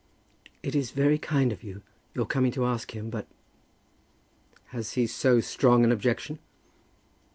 "It is very kind of you, your coming to ask him, but " "Has he so strong an objection?"